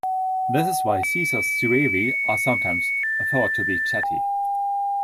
This is why Caesar's Suevi are sometimes thought to be Chatti.